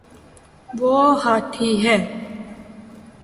وہ ہاتھی ہے